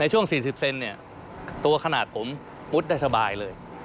ในช่วง๔๐เซนติเซนติเซนติเซนติตัวขนาดผมมุดได้สบายเลย